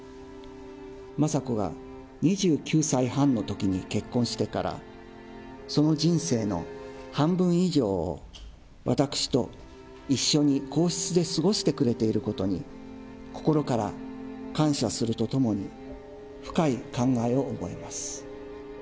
雅子が２９歳半のときに結婚してから、その人生の半分以上を、私と一緒に皇室で過ごしてくれていることに、心から感謝するとともに、深い感慨を覚えます。